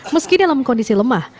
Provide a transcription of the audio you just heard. meski dalam kondisi lemah